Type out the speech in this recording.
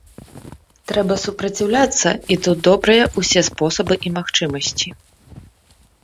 Трэба супраціўляцца, і тут добрыя ўсе спосабы і магчымасці.